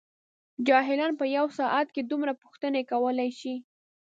جاهلان په یوه ساعت کې دومره پوښتنې کولای شي.